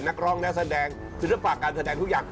นักร้องนักแสดงศิลปะการแสดงทุกอย่าง